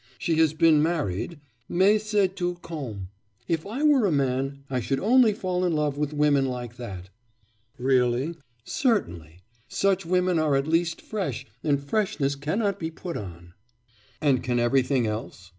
She has been married, mais c'est tout comme.... If I were a man, I should only fall in love with women like that.' 'Really?' 'Certainly. Such women are at least fresh, and freshness cannot be put on.' 'And can everything else?